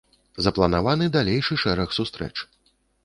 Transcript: Запланаваны далейшы шэраг сустрэч.